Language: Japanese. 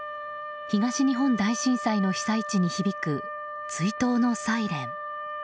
東日本大震災の被災地に響く追悼のサイレン。